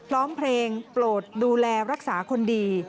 ร้องเพลงโปรดดูแลรักษาคนดี